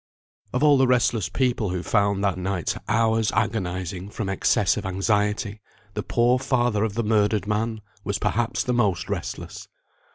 Of all the restless people who found that night's hours agonising from excess of anxiety, the poor father of the murdered man was perhaps the most restless.